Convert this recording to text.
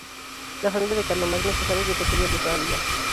La familia de Carlomagno se sabe que procedía de Suabia.